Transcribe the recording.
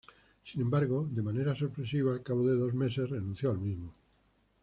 Sin embargo, de manera sorpresiva al cabo de dos meses renunció al mismo.